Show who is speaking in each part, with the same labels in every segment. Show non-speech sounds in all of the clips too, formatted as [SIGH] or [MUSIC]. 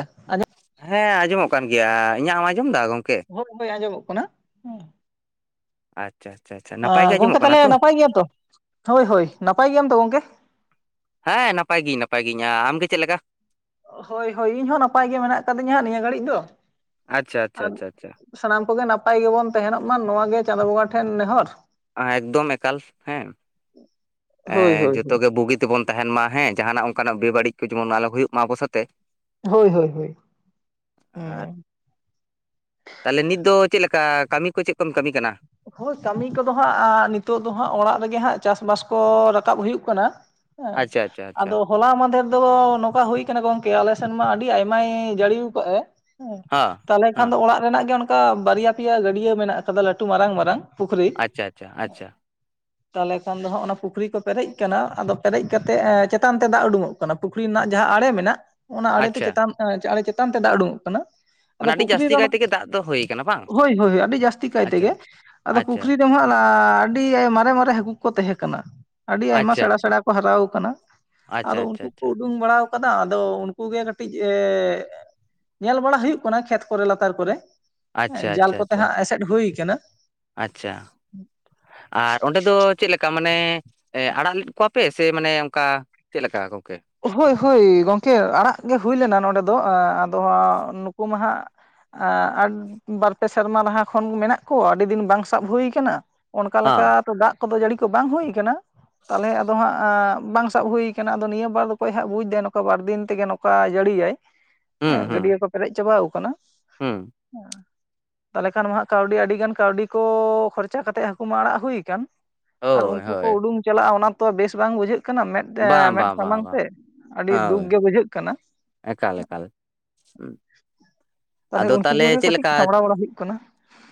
Speaker 1: [INAUDIBLE] ᱟᱡᱚᱢ,
Speaker 2: ᱦᱮᱸ ᱟᱸᱡᱚᱢᱚᱜ ᱠᱟᱱ ᱜᱮᱭᱟ ᱤᱧᱟᱹᱜ ᱮᱢ ᱟᱸᱡᱚᱢ ᱫᱟ ᱜᱚᱝᱠᱮ?
Speaker 1: ᱦᱳᱭ ᱜᱚᱝᱠᱮ ᱟᱸᱡᱚᱢᱚᱜ ᱠᱟᱱᱟ᱾
Speaker 2: ᱟᱪᱷ ᱪᱟ ᱪᱟ ᱪᱷᱟᱜ
Speaker 1: ᱟ ᱜᱚᱝᱠᱮ ᱛᱟᱦᱚᱸᱞᱮ ᱱᱟᱯᱟᱭ ᱜᱮᱭᱟᱢ ᱛᱚ? ᱦᱳᱭ ᱦᱳᱭ ᱱᱟᱯᱟᱭ ᱜᱮᱭᱟᱢ ᱛᱚ ᱜᱚᱝᱠᱮ?
Speaker 2: ᱦᱮᱸ ᱱᱟᱯᱟᱭ ᱜᱤᱭᱟᱹᱧ ᱱᱟᱯᱟᱭ ᱜᱤᱭᱟᱹᱧ ᱟᱢ ᱜᱮ ᱪᱮᱫ ᱞᱮᱠᱟ
Speaker 1: ᱦᱳᱭ ᱦᱳᱭ ᱤᱧ ᱦᱚᱸ ᱱᱟᱯᱟᱭ ᱜᱮ ᱢᱮᱱᱟᱜ ᱠᱟᱹᱫᱤᱧᱟ ᱦᱟᱸᱜ ᱱᱤᱭᱟᱹ ᱜᱷᱟᱲᱤᱡ ᱫᱚ᱾
Speaker 2: ᱟᱪᱪᱷᱟ ᱟᱪᱪᱷᱟ
Speaker 1: ᱟᱨ
Speaker 2: ᱟᱪᱪᱷᱟ ᱟᱪᱪᱷᱟ᱾
Speaker 1: ᱥᱟᱱᱟᱢ ᱠᱚᱜᱮ ᱱᱟᱯᱟᱭ ᱜᱮᱵᱚᱱ ᱛᱟᱦᱮᱸᱱᱚᱜ ᱢᱟ ᱱᱚᱭᱟ ᱜᱮ ᱪᱟᱸᱫᱳ ᱵᱚᱸᱜᱟ ᱴᱷᱮᱱ ᱱᱮᱦᱚᱨ᱾
Speaker 2: ᱮᱠᱫᱚᱢ ᱮᱠᱟᱞ ᱦᱮᱸ, ᱮ
Speaker 1: ᱦᱳᱭ ᱦᱳᱭ ᱦᱳᱭ
Speaker 2: ᱡᱚᱛᱚ ᱜᱮ ᱵᱩᱜᱤ ᱛᱮᱵᱚᱱ ᱛᱟᱦᱮᱸᱱ ᱢᱟ ᱦᱮᱸ ᱡᱟᱦᱟᱱᱟᱜ ᱚᱱᱠᱟᱱᱟᱜ ᱵᱮ-ᱵᱟᱹᱲᱤᱡ ᱠᱚ ᱡᱮᱢᱚᱱ ᱟᱞᱚ ᱦᱩᱭᱩᱜ ᱢᱟ ᱟᱵᱚ ᱥᱟᱜ-ᱛᱮ᱾
Speaker 1: ᱦᱳᱭ ᱦᱳᱭ ᱦᱳᱭ ᱮ
Speaker 2: ᱛᱟᱦᱚᱸᱞᱮ ᱱᱤᱛ ᱫᱚ ᱪᱮᱫ ᱞᱮᱠᱟ ᱠᱟᱹᱢᱤ ᱠᱚ ᱪᱮᱫ ᱠᱚᱢ ᱠᱟᱹᱢᱤ ᱠᱟᱱᱟ᱾
Speaker 1: ᱦᱳᱭ ᱠᱟᱹᱢᱤ ᱠᱚᱫᱚ ᱦᱟᱸᱜ-ᱟ ᱱᱤᱛᱚᱜ ᱫᱚ ᱦᱟᱸᱜ ᱚᱲᱟᱜ ᱨᱮᱜᱮ ᱦᱟᱸᱜ ᱪᱟᱥ ᱵᱟᱥ ᱠᱚ ᱨᱟᱠᱟᱵᱽ ᱦᱩᱭᱩᱜ ᱠᱟᱱᱟ᱾ ᱦᱮᱸ
Speaker 2: ᱟᱪᱪᱷᱟ ᱟᱪᱪᱷᱟ ᱟᱪᱪᱷᱟ
Speaker 1: ᱟᱫᱚ᱾ ᱦᱚᱞᱟ ᱢᱟᱫᱷᱮᱨ ᱫᱚ ᱱᱚᱝᱠᱟ ᱦᱩᱭ ᱟᱠᱟᱱᱟ ᱜᱚᱝᱠᱮ ᱟᱞᱮᱥᱮᱱ ᱢᱟ ᱟᱹᱰᱤ ᱟᱭᱢᱟᱭ ᱡᱟᱹᱲᱤ ᱟᱠᱟᱫ ᱮ᱾
Speaker 2: ᱦᱮᱸ
Speaker 1: ᱛᱟᱦᱚᱸᱞᱮ ᱠᱷᱟᱱ
Speaker 2: ᱦᱮᱸ
Speaker 1: ᱫᱚ ᱚᱲᱟᱜ ᱨᱮᱱᱟᱜ ᱜᱮ ᱚᱱᱠᱟ ᱵᱟᱨᱭᱟ ᱯᱮᱭᱟ ᱜᱟᱹᱰᱭᱟᱹ ᱢᱮᱱᱟᱜ ᱠᱟᱫᱟ ᱞᱟᱴᱩ ᱢᱟᱨᱟᱝ ᱢᱟᱨᱟᱝ᱾ ᱯᱩᱠᱷᱨᱤ,
Speaker 2: ᱟᱪᱪᱷᱟ ᱟᱪᱪᱷᱟ [INAUDIBLE]
Speaker 1: ᱛᱟᱦᱚᱸᱞᱮ ᱠᱷᱟᱱ ᱫᱚ ᱦᱟᱸᱜ ᱚᱱᱟ ᱯᱩᱠᱷᱨᱤ ᱠᱚ ᱯᱮᱨᱮᱡ ᱟᱠᱟᱱᱟ, ᱟᱫᱚ ᱯᱮᱨᱮᱡ ᱠᱟᱛᱮᱜ ᱮ ᱪᱮᱛᱟᱱ ᱛᱮ ᱫᱟᱜ ᱩᱰᱩᱠᱚᱜ ᱠᱟᱱᱟ᱾ ᱠᱟᱱᱟ ᱯᱩᱠᱷᱨᱤ ᱨᱮᱱᱟᱜ ᱡᱟᱦᱟᱸ ᱟᱲᱮ ᱢᱮᱱᱟᱜ, ᱚᱱᱟ ᱟᱲᱮ ᱛᱮ
Speaker 2: ᱟᱪᱪᱷᱟ
Speaker 1: ᱪᱮᱛᱟᱱ ᱟᱲᱮ ᱪᱮᱛᱟᱱ ᱛᱮ ᱫᱟᱜ ᱩᱰᱩᱝ ᱚᱜ ᱠᱟᱱᱟ᱾ ᱟᱫᱚ
Speaker 2: ᱢᱟᱱᱮ ᱟᱹᱰᱤ
Speaker 1: ᱯᱩᱠᱷᱨᱤ
Speaker 2: ᱡᱟᱹᱥᱛᱤ
Speaker 1: ᱨᱚᱲ
Speaker 2: ᱠᱟᱭ ᱛᱮᱜᱮ ᱫᱟᱜ ᱫᱚ ᱦᱩᱭ ᱟᱠᱟᱱᱟ ᱵᱟᱝ
Speaker 1: ᱦᱳᱭ ᱦᱳᱭ ᱟᱹᱰᱤ ᱡᱟᱹᱥᱛᱤ ᱠᱟᱭ
Speaker 2: ᱟᱪᱪᱷᱟ
Speaker 1: ᱛᱮᱜᱮ᱾ ᱟᱫᱚ
Speaker 2: ᱟᱪᱪᱷᱟ
Speaker 1: ᱯᱩᱠᱷᱨᱤ ᱦᱚᱸ ᱟᱞᱟᱻ ᱟᱹᱰᱤ ᱢᱟᱨᱮ ᱢᱟᱨᱮ ᱦᱟᱹᱠᱩ ᱠᱚ ᱠᱚ ᱛᱟᱦᱮᱸᱠᱟᱱᱟ ᱟᱹᱰᱤ ᱟᱭᱢᱟ
Speaker 2: ᱟᱪᱪᱷᱟ
Speaker 1: ᱥᱮᱲᱟ ᱥᱮᱲᱟ ᱦᱟᱨᱟᱣ ᱟᱠᱟᱱᱟ
Speaker 2: ᱟᱪᱪᱷᱟ ᱟᱪᱪᱷᱟ
Speaker 1: ᱟᱫᱚ
Speaker 2: ᱟᱪᱪᱷᱟ
Speaker 1: ᱩᱱᱠᱩ ᱩᱰᱩᱝ ᱵᱟᱲᱟᱣ ᱠᱟᱫᱟ ᱟᱫᱚ ᱩᱱᱠᱩ ᱜᱮ ᱠᱟᱹᱴᱤᱡ ᱮ ᱧᱮᱞ ᱵᱟᱲᱟ ᱦᱩᱭᱩᱜ ᱠᱟᱱᱟ ᱠᱷᱮᱛ ᱠᱚᱨᱮ ᱞᱟᱛᱟᱨ ᱠᱚᱨᱮᱸ,
Speaker 2: ᱟᱪᱪᱷᱟ
Speaker 1: ᱡᱟᱞ
Speaker 2: ᱟᱪᱪᱷᱟ
Speaker 1: ᱠᱚᱛᱮ
Speaker 2: ᱟᱪᱪᱷᱟ
Speaker 1: ᱦᱟᱸᱜ ᱮᱥᱮᱫ ᱦᱩᱭ ᱠᱟᱱᱟ᱾
Speaker 2: ᱟᱪᱪᱷᱟ, ᱟᱨ ᱚᱸᱰᱮ ᱫᱚ ᱪᱮᱫᱞᱮᱠᱟ᱾ ᱢᱟᱱᱮ ᱟᱲᱟᱜ ᱞᱮᱫ ᱠᱚᱣᱟ ᱯᱮ ᱥᱮ ᱢᱟᱱᱮ ᱚᱱᱠᱟ ᱪᱮᱫ ᱞᱮᱠᱟ ᱜᱚᱝᱠᱮ᱾
Speaker 1: ᱦᱳᱭ ᱦᱳᱭ ᱜᱚᱢᱠᱮ ᱟᱲᱟ ᱜᱮ ᱦᱩᱭ ᱞᱮᱱᱟ ᱱᱚᱸᱰᱮ ᱫᱚ ᱟᱫᱚ ᱱᱩᱠᱩ ᱢᱟ ᱦᱟᱜ ᱵᱟᱨᱯᱮ ᱥᱮᱨᱢᱟ ᱞᱟᱦᱟ ᱠᱷᱚᱱ ᱢᱮᱱᱟᱜ ᱠᱚᱣᱟ ᱟᱹᱰᱤ ᱫᱤᱱ ᱵᱟᱝ ᱥᱟᱵ ᱦᱩᱭ ᱟᱠᱟᱱᱟ᱾ ᱚᱱᱠᱟ ᱞᱮᱠᱟ
Speaker 2: ᱦᱟᱸ
Speaker 1: ᱛᱚ ᱫᱟᱜ ᱠᱚᱫᱚ ᱡᱟᱹᱲᱤ ᱠᱚ ᱵᱟᱝ ᱦᱩᱭᱩ ᱠᱟᱱᱟᱟᱱᱟ ᱛᱟᱦᱚᱞᱮ ᱟᱫᱚ ᱦᱟᱸᱜ ᱟᱸᱜ ᱵᱟᱝ ᱥᱟᱵ ᱦᱩᱭ ᱟᱠᱟᱱᱟ ᱟᱫᱚ ᱱᱤᱭᱟᱹ ᱵᱟᱨ ᱫᱚ ᱚᱠᱚᱭ ᱦᱟᱸᱜ ᱵᱩᱡᱽᱫᱟᱭ ᱱᱚᱝᱠᱟ ᱵᱟᱨ ᱫᱤᱱ ᱛᱮᱜᱮ ᱱᱚᱝᱠᱟ ᱡᱟᱹᱲᱤᱭᱟᱭ᱾
Speaker 2: ᱦᱩᱸ
Speaker 1: ᱮᱜᱸ
Speaker 2: ᱦᱩᱸ
Speaker 1: ᱜᱟᱹᱰᱭᱟᱹ ᱠᱚ ᱯᱮᱨᱮᱡ ᱪᱟᱵᱟ ᱟᱠᱟᱱᱟ
Speaker 2: ᱦᱩᱸ
Speaker 1: ᱾ ᱛᱟᱦᱚᱞᱮ ᱠᱷᱟᱱ ᱢᱟᱜ ᱠᱟᱹᱣᱰᱤ ᱟᱹᱰᱤ ᱜᱟᱱ ᱠᱟᱹᱣᱰᱤ ᱠᱚ ᱠᱷᱚᱨᱪᱟ ᱠᱟᱛᱮᱜ ᱦᱟᱹᱠᱩ ᱢᱟ ᱟᱲᱟᱜ ᱦᱩ ᱟᱠᱟᱱ᱾ ᱟᱨ
Speaker 2: ᱦᱳᱭ
Speaker 1: ᱩᱱᱠᱩ ᱠᱚ
Speaker 2: ᱦᱳᱭ
Speaker 1: ᱩᱰᱩᱝ ᱪᱟᱞᱟᱜᱼᱟ ᱚᱱᱟ ᱛᱚ ᱵᱮᱥ ᱵᱟᱝ ᱵᱩᱡᱷᱟᱹᱜ ᱠᱟᱱᱟ ᱢᱮᱫ
Speaker 2: ᱵᱟᱝ
Speaker 1: ᱢᱮᱫ
Speaker 2: ᱵᱟᱝ ᱵᱟᱝ
Speaker 1: ᱥᱟᱢᱟᱝ
Speaker 2: ᱵᱟᱝ
Speaker 1: ᱥᱮ ᱟᱹᱰᱤ ᱫᱩᱠ
Speaker 2: ᱦᱳᱭ
Speaker 1: ᱜᱮ ᱵᱩᱡᱷᱟᱹᱜ ᱠᱟᱱᱟ᱾
Speaker 2: ᱮᱠᱟᱞ ᱮᱠᱟᱞ ᱦᱩᱸ
Speaker 1: ᱛᱟᱦᱞᱮ
Speaker 2: ᱟᱫᱚ
Speaker 1: ᱩᱱᱠᱩ ᱠᱚᱜᱮ ᱠᱟᱹᱴᱤᱡ ᱥᱟᱢᱲᱟᱣ ᱵᱟᱲᱟ ᱦᱩᱭᱩᱜ ᱠᱟᱱᱟ᱾